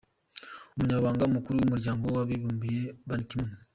Umunyamabanga Mukuru w’Umuryango w’Abibumbye, Ban Ki Moon